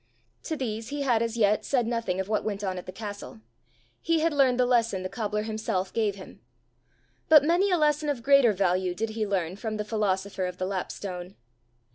To these he had as yet said nothing of what went on at the castle: he had learned the lesson the cobbler himself gave him. But many a lesson of greater value did he learn from the philosopher of the lapstone.